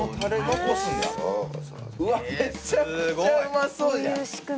うわめちゃくちゃうまそうじゃん！